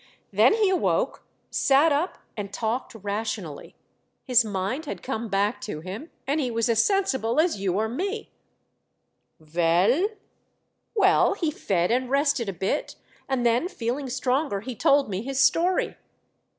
Then he awoke, sat up and talked rationally. His mind had come back to him and he was as sensible as you or me." " Veil ?"•' Well, he fed and rested a bit, and then feeling stronger, he told me his story."